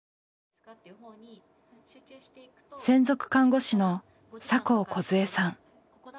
専属看護師の酒匂こず枝さん。